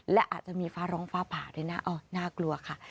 และอาจจะมีฟ้าร้องฟ้าผ่าด้วยนะน่ากลัวค่ะ